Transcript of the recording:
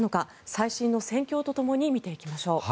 最新の戦況とともに見ていきましょう。